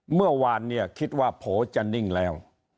เมื่อวานเนี่ยคิดว่าโผล่จะนิ่งแล้ว